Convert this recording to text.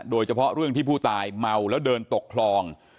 โดยเฉพาะเรื่องที่ผู้ตายเมาแล้วเดินตกคลอง